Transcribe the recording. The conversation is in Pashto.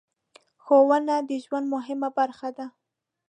ښوونه د ژوند مهمه برخه ده.